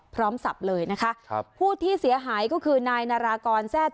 พร้อมศัพท์เลยนะคะครับผู้ที่เสียหายก็คือนายนารากรแซ่ด